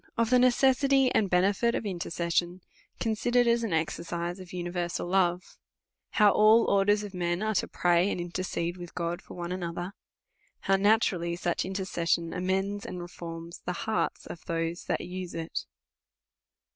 Ofthe necessiti/ and hencjit of Intercession, consider ed as an exercise of universal lore. How all or ders of men arc to praij and intercede icith God for one another. How natnrallij such intercession amends and reforms the hearts of those that use it.